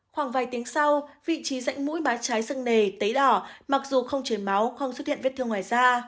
khoảng vài tiếng sau vị trí rạch mũi má trái sưng nề tấy đỏ mặc dù không chế máu không xuất hiện vết thương ngoài da